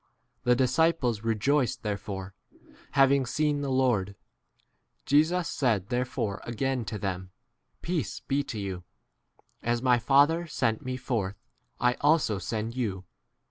The disciples rejoiced therefore, having seen the 21 Lord. Jesus said therefore again to them, Peace [be] to you : as my Father sent me forth, I * also send 22 you.